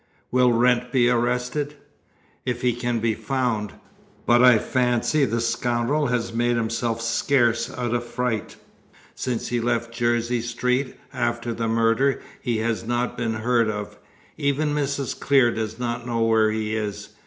"Will Wrent be arrested?" "If he can be found; but I fancy the scoundrel has made himself scarce out of fright. Since he left Jersey Street, after the murder, he has not been heard of. Even Mrs. Clear does not know where he is.